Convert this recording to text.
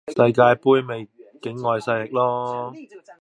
世界盃咪係境外勢力囉